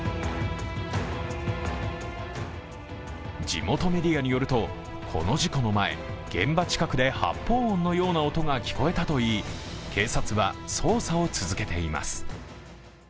地元メディアによると、この事故の前、現場近くで発砲音のような音が聞こえたといい警察は捜査を続けています。